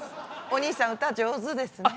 おにいさん歌上手ですね。